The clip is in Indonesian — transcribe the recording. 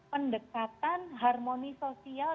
pendekatan harmoni sosial